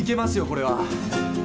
これは。